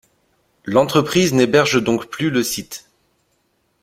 L'entreprise n'héberge donc plus le site.